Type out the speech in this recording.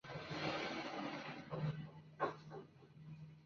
Ambos se enamoran y deciden tener una relación amorosa clandestina.